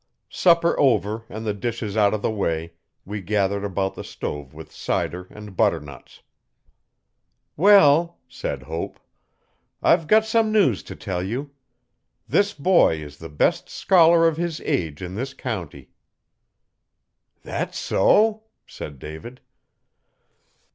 Supper over and the dishes out of the way we gathered about the stove with cider and butternuts. 'Well,' said Hope, 'I've got some news to tell you this boy is the best scholar of his age in this county.' 'Thet so?' said David.